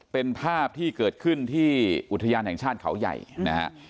เป็นภาพที่เกิดขึ้นที่อุทยานแห่งชาติเขาใหญ่นะฮะ